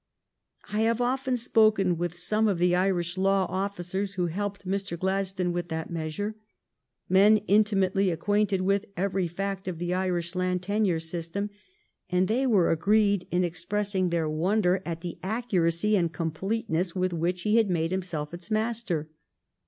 I have often spoken with some of the Irish law officers who helped Mr. Gladstone with that measure, men intimately acquainted with ever)^ fact of the Irish land tenure system, and they were agreed in expressing their wonder at IRISH STATE CHURCH AND LAND TENURE 279 the accuracy and completeness with which he had made himself its master.